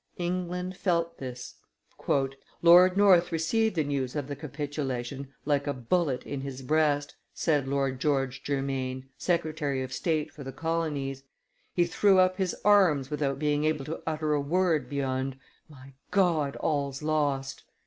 England felt this. "Lord North received the news of the capitulation like a bullet in his breast," said Lord George Germaine, secretary of state for the colonies; he threw up his arms without being able to utter a word beyond 'My God, all's lost!